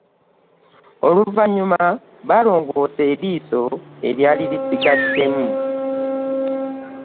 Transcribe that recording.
Oluvannyuma baalongosa eriiso eryali lisigaddemu.